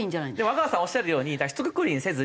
阿川さんおっしゃるようにひとくくりにせずに。